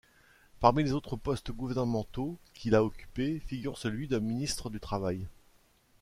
Parmi les autres postes gouvernementaux qu'il a occupés figure celui de ministre du Travail.